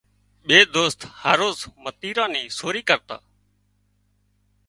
ٻي دوست هروز متيران ني سوري ڪرتا